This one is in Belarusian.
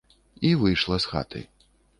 І выйшла з хаты.